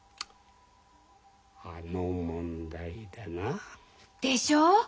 あの問題だな。でしょ？